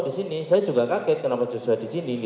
dan saya menyiapkan barang